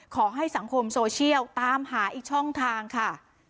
ขอให้สังคมโซเชียลตามหาอีกช่องทางค่ะ